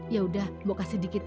ya udah mbok kasih sedikit ya